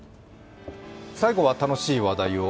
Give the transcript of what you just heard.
最後は楽しい話題を。